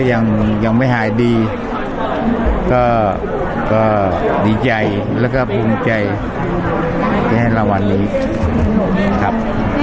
ยังยังไม่หายดีก็ดีใจแล้วก็ภูมิใจที่ให้รางวัลนี้ครับ